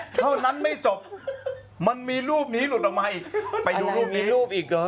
เท่านั้นไม่จบมันมีรูปหนีหลุดออกมาอีก